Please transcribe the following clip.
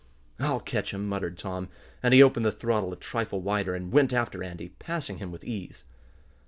"I'll catch him!" muttered Tom, and he opened the throttle a trifle wider, and went after Andy, passing him with ease.